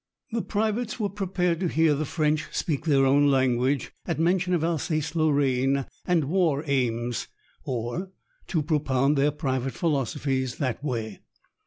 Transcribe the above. The privates were prepared to hear the French speak their own language at mention of Alsace Lorraine and war aims, or to propound their private philosophies that way.